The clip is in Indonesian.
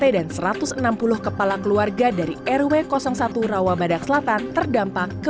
setidaknya tiga rt dan satu ratus enam puluh kepala keluarga dari rw satu rawabadak selatan terdampak